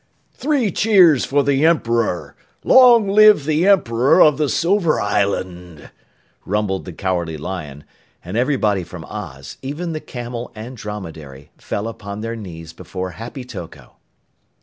"Three cheers for the Emperor! Long live the Emperor of the Silver Island," rumbled the Cowardly Lion, and everybody from Oz, even the camel and dromedary, fell upon their knees before Happy Toko.